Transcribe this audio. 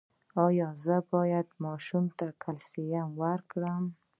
ایا زه باید ماشوم ته کلسیم ورکړم؟